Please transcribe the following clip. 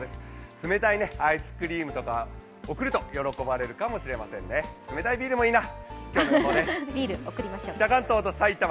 冷たいアイスクリームとか贈ると喜ばれるかもしれませんね冷たいビールもいいな。